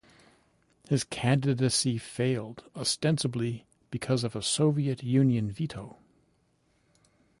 His candidacy failed, ostensibly because of a Soviet Union veto.